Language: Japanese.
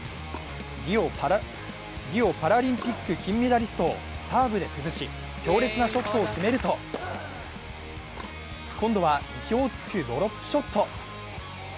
リオパラリンピック金メダリストをサーブで崩し強烈なショットを決めると今度は意表を突くドロップショット。